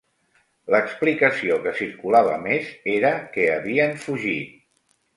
L'explicació que circulava més era que havien fugit